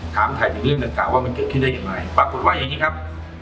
ถามถ่ายถึงเรื่องดังกล่าวว่ามันเกิดขึ้นได้อย่างไรปรากฏว่าอย่างนี้ครับ